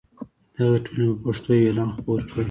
دغې ټولنې په پښتو یو اعلان خپور کړ.